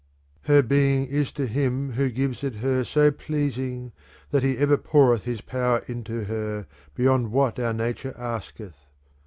Her being is to him ^ho gives it her so pleasin|f ''■'•'_' That he ever poureth his power into her, beyond; what our nature asketh.